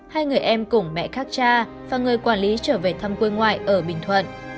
hai người em cùng mẹ khác cha và người quản lý trở về thăm quê ngoại ở bình thuận